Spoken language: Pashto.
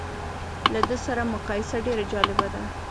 له ده سره مقایسه ډېره جالبه ده.